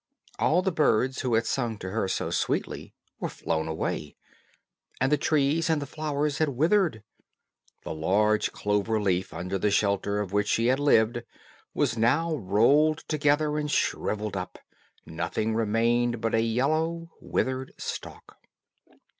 All the birds who had sung to her so sweetly were flown away, and the trees and the flowers had withered. The large clover leaf under the shelter of which she had lived, was now rolled together and shrivelled up, nothing remained but a yellow withered stalk.